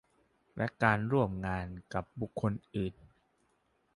และการร่วมงานกับบุคคลอื่น